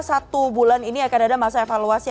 satu bulan ini akan ada masa evaluasi